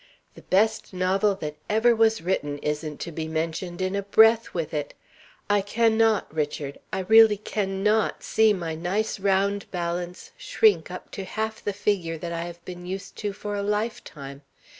The best novel that ever was written isn't to be mentioned in a breath with it. I can not, Richard, I really can not, see my nice round balance shrink up to half the figure that I have been used to for a lifetime.